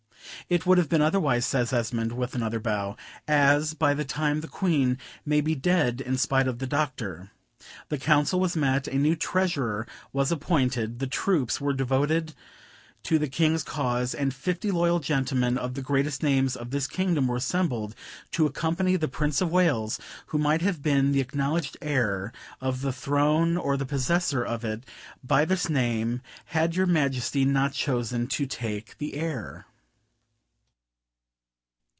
"It would have been otherwise," says Esmond with another bow; "as, by this time, the Queen may be dead in spite of the Doctor. The Council was met, a new Treasurer was appointed, the troops were devoted to the King's cause; and fifty loyal gentlemen of the greatest names of this kingdom were assembled to accompany the Prince of Wales, who might have been the acknowledged heir of the throne, or the possessor of it by this time, had your Majesty not chosen to take the air.